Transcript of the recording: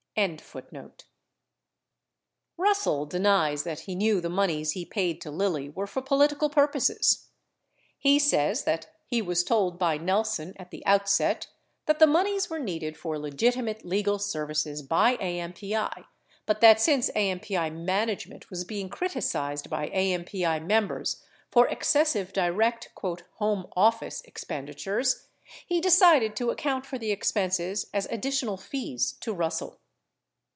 30 Russell denies that he knew the moneys he paid to Lilly were for political purposes. He says that he was told by Nelson, at the outset, that the moneys were needed for legitimate legal services by AMPI but that since AMPI management was being criticized by AMPI mem bers for excessive direct "home office" expenditures, he decided to ac count for the expenses as additional fees to Russell.